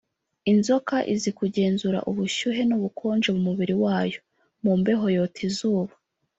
Inzoka izi kugenzura ubushyuhe n’ubukonje mu mubiri wayo; mu mbeho yota izuba